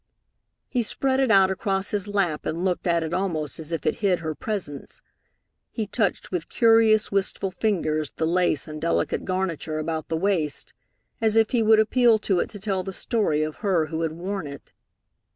He spread it out across his lap and looked at it almost as if it hid her presence. He touched with curious, wistful fingers the lace and delicate garniture about the waist, as if he would appeal to it to tell the story of her who had worn it.